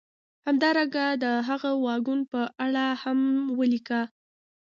همدارنګه د هغه واګون په اړه هم ولیکه